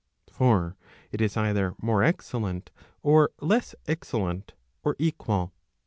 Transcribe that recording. For it is either more excellent, or less excellent, or equal.